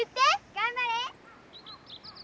頑張れ！